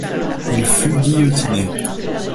Il fut guillotiné.